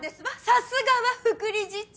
さすがは副理事長。